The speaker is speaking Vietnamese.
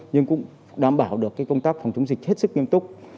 nhưng cũng đảm bảo được công tác phòng chống dịch hết sức nghiêm túc